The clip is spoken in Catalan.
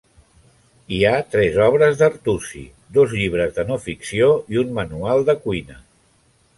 Hi ha tres obres d'Artusi: dos llibres de no ficció i un manual de cuina.